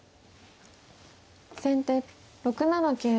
先手６七桂馬。